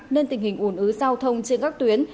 nên tình hình ủn ứ giao thông trên các tuyến